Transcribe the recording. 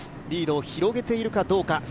リードを広げているかどうか。